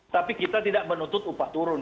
tapi kita tidak menuntut upah turun